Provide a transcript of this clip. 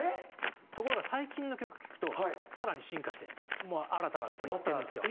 ところが最近の曲聴くと更に進化してもう新たなとこに行ってるんですよ。